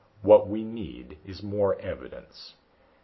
What we need is more evidence."